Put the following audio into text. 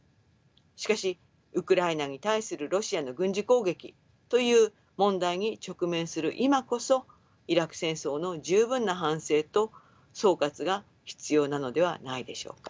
しかしウクライナに対するロシアの軍事攻撃という問題に直面する今こそイラク戦争の十分な反省と総括が必要なのではないでしょうか。